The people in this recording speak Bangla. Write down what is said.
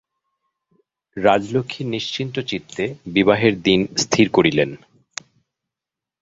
রাজলক্ষ্মী নিশ্চিন্তচিত্তে বিবাহের দিন স্থির করিলেন।